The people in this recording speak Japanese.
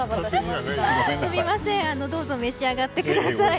すみませんどうぞ召し上がってください。